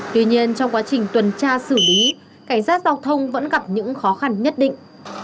tuy nhiên trong quá trình tuần tra xử lý cảnh sát giao thông vẫn gặp những khó khăn nhất định